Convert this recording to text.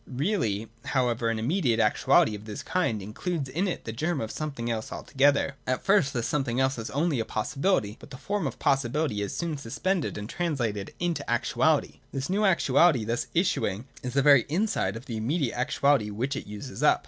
Really however an immediate actuality of this kind includes in it the germ of something else altogether. At first this some thing else is only a possibility : but the form of possibihty is soon suspended and translated into actuality. This new actuality thus issuing is the very inside of the immediate actuality which it uses up.